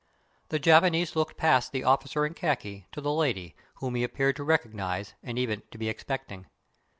The Japanese looked past the officer in khaki to the lady, whom he appeared to recognize and even to be expecting.